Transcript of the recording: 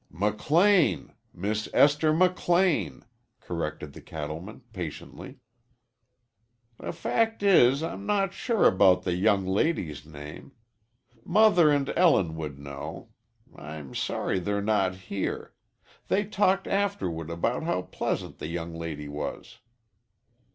"McLean. Miss Esther McLean," corrected the cattleman patiently. "The fact is I'm not sure about the young lady's name. Mother and Ellen would know. I'm sorry they're not here. They talked afterward about how pleasant the young lady was."